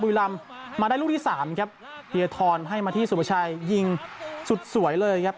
ลำมาได้ลูกที่สามครับเทียทรให้มาที่สุภาชัยยิงสุดสวยเลยครับ